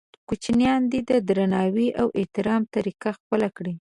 کوچنیان دې د درناوي او احترام طریقه خپله کړي.